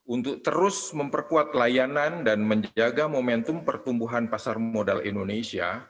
untuk terus memperkuat layanan dan menjaga momentum pertumbuhan pasar modal indonesia